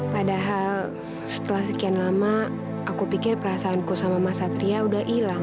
padahal setelah sekian lama aku pikir perasaanku sama mas satria udah hilang